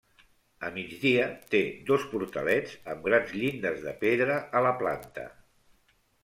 A migdia té dos portalets amb grans llindes de pedra a la planta.